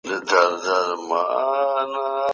پوهه د انسان د عقل دنده ده.